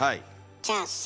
じゃあさ